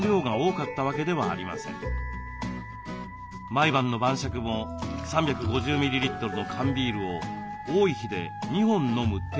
毎晩の晩酌も３５０ミリリットルの缶ビールを多い日で２本飲む程度でした。